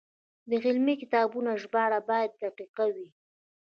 د علمي کتابونو ژباړه باید دقیقه وي.